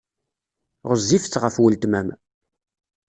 Ɣezzifet ɣef weltma-m.